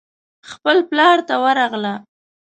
خپل پلار ته ورغله.